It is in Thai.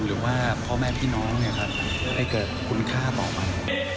หรือว่าพ่อแม่พี่น้องให้เกิดคุณค่าต่อไป